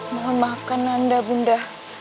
mohon maafkan anda bunda